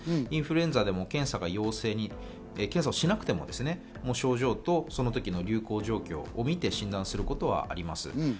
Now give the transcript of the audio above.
インフルエンザでも検査をしなくても、もう症状とその時の流行状況を見て診断することはあります。